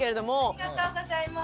ありがとうございます。